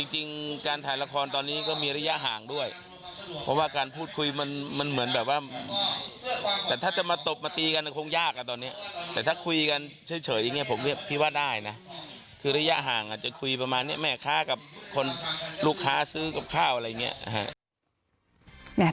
จริงการถ่ายละครตอนนี้ก็มีระยะห่างด้วยเพราะว่าการพูดคุยมันเหมือนแบบว่าแต่ถ้าจะมาตบมาตีกันมันคงยากอ่ะตอนนี้แต่ถ้าคุยกันเฉยอย่างนี้ผมพี่ว่าได้นะคือระยะห่างอาจจะคุยประมาณนี้แม่ค้ากับคนลูกค้าซื้อกับข้าวอะไรอย่างนี้นะฮะ